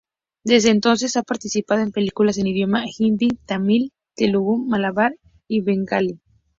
Desde entonces ha participado en películas en idioma hindi, tamil, telugu, malabar y bengalí.